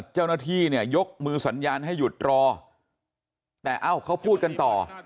เจ้าหน้าที่เนี่ยยกมือสัญญาณให้หยุดรอแต่เอ้าเขาพูดกันต่อ